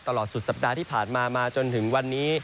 ตลอดสุดสัปดาห์ที่ผ่านมามาจนถึงวันนี้